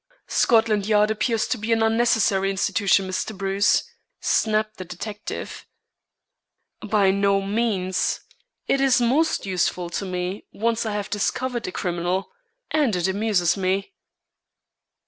"Scotland Yard appears to be an unnecessary institution, Mr. Bruce," snapped the detective. "By no means. It is most useful to me once I have discovered a criminal. And it amuses me."